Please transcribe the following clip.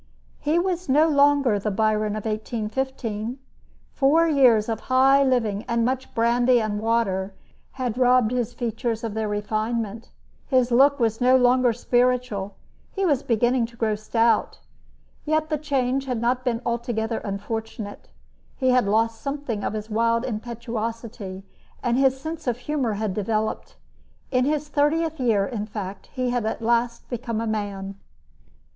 He was no longer the Byron of 1815. Four years of high living and much brandy and water had robbed his features of their refinement. His look was no longer spiritual. He was beginning to grow stout. Yet the change had not been altogether unfortunate. He had lost something of his wild impetuosity, and his sense of humor had developed. In his thirtieth year, in fact, he had at last become a man.